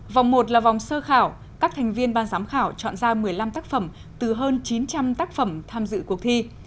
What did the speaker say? vòng một là vòng sơ khảo các thành viên ban giám khảo chọn ra một mươi năm tác phẩm từ hơn chín trăm linh tác phẩm tham dự cuộc thi